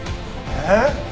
えっ！？